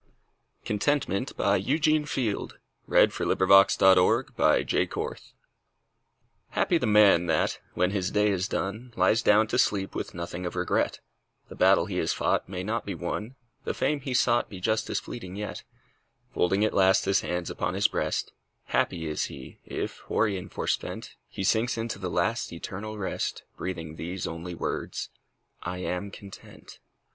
belle, I I pronounce for Jennie, For Jennie doesn't tell! CONTENTMENT Happy the man that, when his day is done, Lies down to sleep with nothing of regret The battle he has fought may not be won The fame he sought be just as fleeting yet; Folding at last his hands upon his breast, Happy is he, if hoary and forespent, He sinks into the last, eternal rest, Breathing these only works: "I am content."